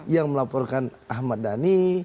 yang melaporkan ahmad dhani